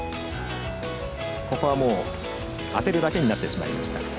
ここは、当てるだけになってしまいました。